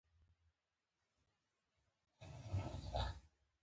غټه تیږه مې را واخیسته او کوټې لور ته مې یې وډباړه.